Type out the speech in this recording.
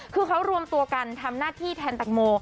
คือเขารวมตัวกันทำหน้าที่แทนแตงโม